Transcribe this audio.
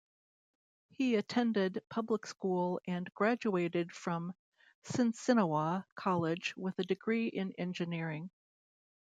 He attended public school and graduated from Sinsinawa College with a degree in engineering.